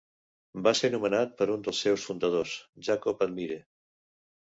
Va ser nomenat per un dels seus fundadors, Jacob Admire.